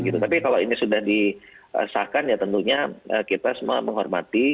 tapi kalau ini sudah disahkan ya tentunya kita semua menghormati